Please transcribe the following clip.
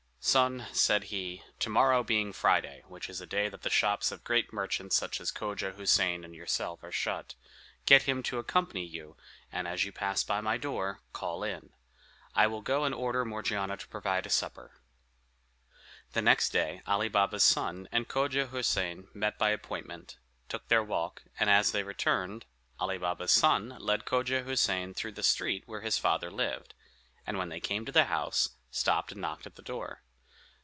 "Son," said he, "to morrow being Friday, which is a day that the shops of such great merchants as Cogia Houssain and yourself are shut, get him to accompany you, and as you pass by my door, call in. I will go and order Morgiana to provide a supper." The next day Ali Baba's son and Cogia Houssain met by appointment, took their walk, and as they returned, Ali Baba's son led Cogia Houssain through the street where his father lived, and when they came to the house, stopped and knocked at the door.